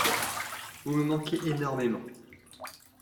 Vous me manquez énormément.